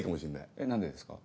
えっ何でですか？